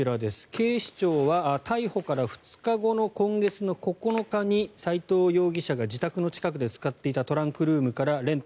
警視庁は逮捕から２日後の今月９日に齋藤容疑者が自宅の近くで使っていたトランクルームから練炭